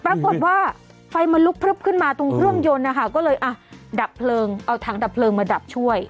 ปรากฏว่าไฟมันลุกพลึบขึ้นมาตรงเครื่องยนต์นะคะก็เลยอ่ะดับเพลิงเอาถังดับเพลิงมาดับช่วย